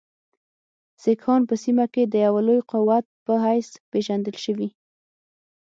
سیکهان په سیمه کې د یوه لوی قوت په حیث پېژندل شوي.